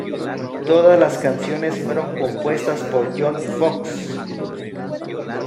Todas las canciones fueron compuestas por John Foxx.